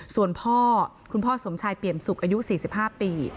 ส่วนพ่อคุณพ่อสมชายเปี่ยมสุขอายุ๔๕ปี